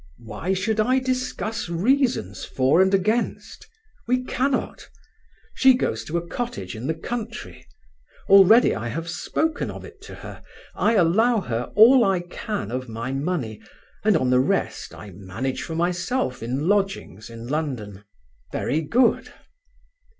Why should I discuss reasons for and against? We cannot. She goes to a cottage in the country. Already I have spoken of it to her. I allow her all I can of my money, and on the rest I manage for myself in lodgings in London. Very good.